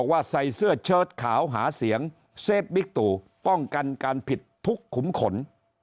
ว่าใส่เสื้อเชิดขาวหาเสียงเซฟบิ๊กตู่ป้องกันการผิดทุกขุมขน